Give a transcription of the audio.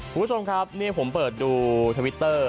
คุณผู้ชมครับนี่ผมเปิดดูทวิตเตอร์